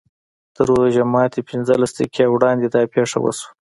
تر روژه ماتي پینځلس دقیقې وړاندې دا پېښه وشوه.